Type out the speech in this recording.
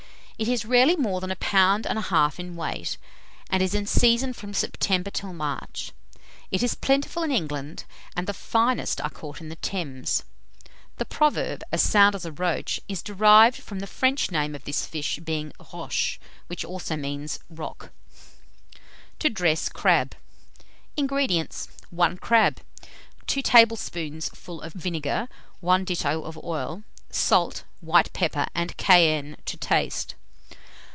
It is rarely more than a pound and a half in weight, and is in season from September till March. It is plentiful in England, and the finest are caught in the Thames. The proverb, "as sound as a roach," is derived from the French name of this fish being roche, which also means rock. [Illustration: THE DACE.] [Illustration: THE ROACH.] TO DRESS CRAB. 244. INGREDIENTS. 1 crab, 2 tablespoonfuls of vinegar, 1 ditto of oil; salt, white pepper, and cayenne, to taste.